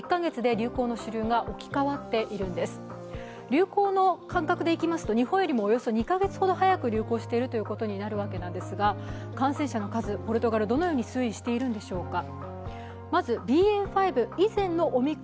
流行の感覚でいいますと日本より２カ月ほど早く流行しているということになるわけなんですが感染者の数、ポルトガル、どのように推移しているんでしょうか。